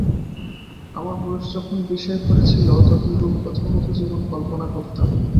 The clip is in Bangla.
আমার বয়স যখন বিশের ঘরে ছিল, তখন রূপকথার মতো জীবন কল্পনা করতাম।